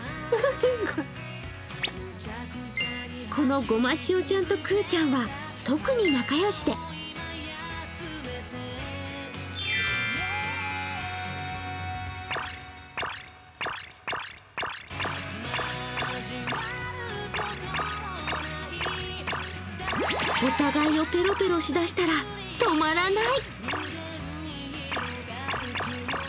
このごましおちゃんと空ちゃんは、特に仲良しでお互いをペロペロしだしたら止まらない。